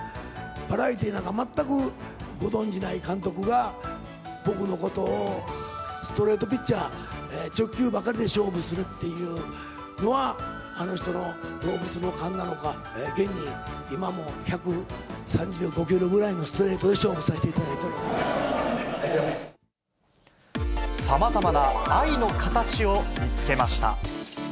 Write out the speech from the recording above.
バラエティーなんかご存じない監督が、僕のことをストレートピッチャー、直球ばかりで勝負するっていうのは、あの人の動物の勘なのか、現に今も１３５キロぐらいのストレートで勝負さしていただいておさまざまな愛の形を見つけました。